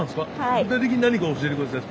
具体的に何か教えて下さい。